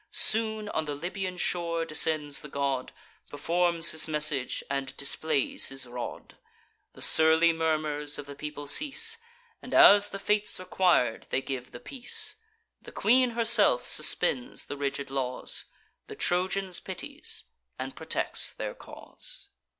Soon on the Libyan shore descends the god, Performs his message, and displays his rod: The surly murmurs of the people cease; And, as the fates requir'd, they give the peace: The queen herself suspends the rigid laws, The Trojans pities, and protects their cause.